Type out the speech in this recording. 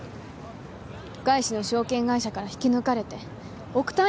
外資の証券会社から引き抜かれて億単位のお金を。